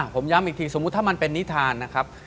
ผมย้ำอีกทีสมมุติถ้ามันเป็นนิทานนะครับ